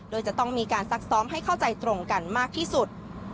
โดยจะต้องมีการซักซ้อมให้เข้าใจตรงกันมากที่สุด